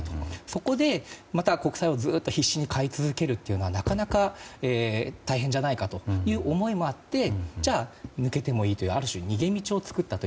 そこで、また国債をずっと必死に買い続けるというのはなかなか大変じゃないかという思いもあってじゃあ抜けてもいいというある種、逃げ道を作った。